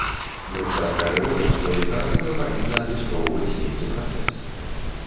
Мы часта гаворым, што літаратура павінна адлюстроўваць нейкі працэс.